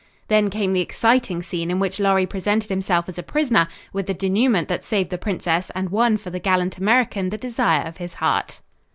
Then came the exciting scene in which Lorry presented himself as a prisoner, with the denouement that saved the princess and won for the gallant American the desire of his heart.